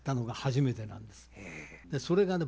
それがね